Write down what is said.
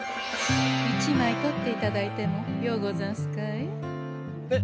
一枚とっていただいてもようござんすかえ？